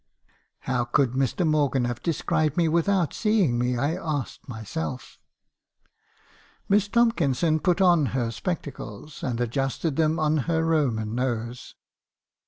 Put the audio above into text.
"How could Mr. Morgan have described me without seeing me? I asked myself. "Miss Tomkinson put on her spectacles , and adjusted them on her Roman nose.